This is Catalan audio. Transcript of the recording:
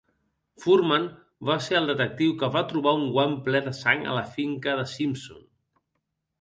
Fuhrman va ser el detectiu que va trobar un guant ple de sang a la finca de Simpson.